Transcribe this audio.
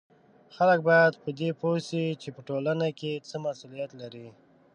خلک باید په دې پوه سي چې په ټولنه کې څه مسولیت لري